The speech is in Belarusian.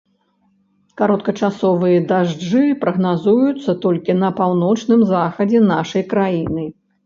Кароткачасовыя дажджы прагназуюцца толькі на паўночным захадзе нашай краіны.